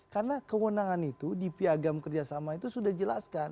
karena kewenangan itu di piagam kerjasama itu sudah dijelaskan